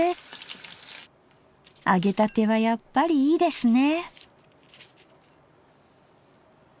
揚げたてはやっぱりいいですね。